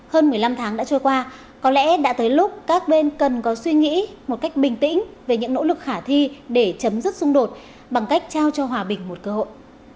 hơn một mươi năm tháng đã trôi qua có lẽ đã tới lúc các bên cần có suy nghĩ một cách bình tĩnh về những nỗ lực khả thi để chấm dứt xung đột bằng cách trao cho hòa bình một cơ hội